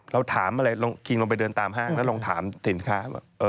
เราถามอะไรเราขึ้นมาไปเดินตามห้างแล้วเราถามสินค้า